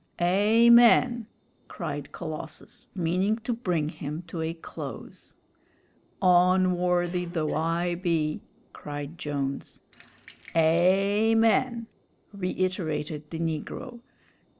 "Amen!" cried Colossus, meaning to bring him to a close. "Onworthy though I be " cried Jones. "Amen!" reiterated the negro.